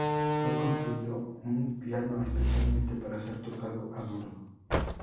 Fue construido un piano especialmente para ser tocado a bordo.